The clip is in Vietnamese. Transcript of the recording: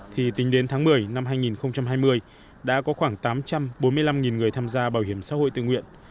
thì tính đến tháng một mươi năm hai nghìn hai mươi đã có khoảng tám trăm bốn mươi năm người tham gia bảo hiểm xã hội tự nguyện